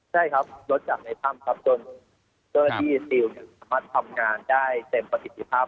ใช่ครับรถจากในถ้ำครับจนเจ้าหน้าที่ซิลสามารถทำงานได้เต็มประสิทธิภาพ